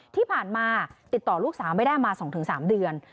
ที่ผ่านมาติดต่อลูกสาวไม่ได้มา๒๓เดือน